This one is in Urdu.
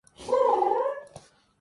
اگر نہیں تو آج کا سائنسی لفظ